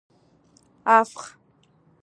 افغ